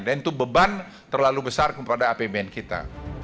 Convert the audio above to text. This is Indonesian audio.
dan itu beban terlalu besar kepada apbn kita